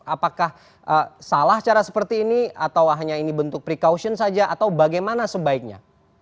apakah salah cara seperti ini atau hanya ini bentuk precaution saja atau bagaimana sebaiknya